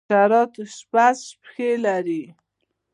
حشرات شپږ پښې لري